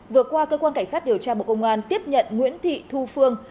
vừa qua cơ quan cảnh sát điều tra bộ công an tiếp nhận nguyễn thị thu phương